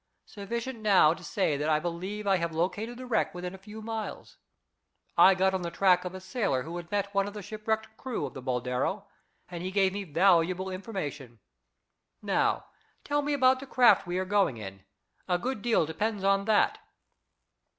Sufficient now, to say that I believe I have located the wreck within a few miles. I got on the track of a sailor who had met one of the shipwrecked crew of the Boldero, and he gave me valuable information. Now tell me about the craft we are going in. A good deal depends on that."